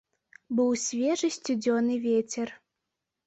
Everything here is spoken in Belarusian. Быў свежы сцюдзёны вецер.